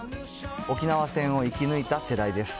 沖縄戦を生き抜いた世代です。